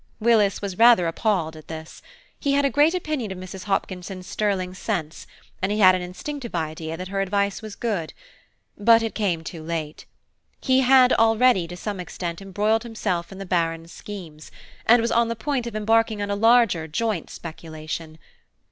Willis was rather appalled at this. He had a great opinion of Mrs. Hopkinson's sterling sense, and he had an instinctive idea that her advice was good; but it came too late. He had already, to some extent, embroiled himself in the Baron's schemes, and was on the point of embarking on a larger joint speculation.